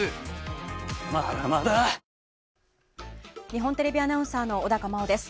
日本テレビアナウンサーの小高茉緒です。